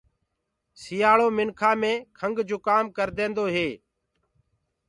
سيٚآݪو منکآ مي کنٚگ جُڪآم ڪرديندو هي۔